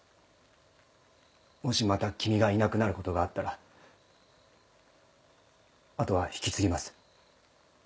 もしまた君がいなくなることがあったら後は引き継ぎます。